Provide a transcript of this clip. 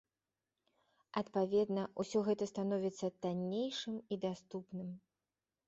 Адпаведна, усё гэта становіцца таннейшым і даступным.